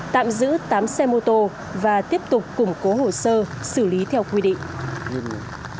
tạm giữ tám xe mô tô và tiếp tục củng cố hồ sơ xử lý theo quy định